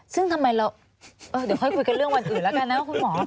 ซึ่งทำไมเราเดี๋ยวค่อยคุยกันเรื่องวันอื่นแล้วกันนะคุณหมอ